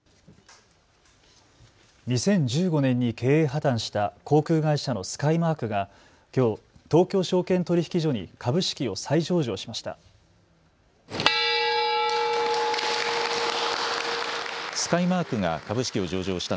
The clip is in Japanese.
２０１５年に経営破綻した航空会社のスカイマークがきょう東京証券取引所に株式を再上場しました。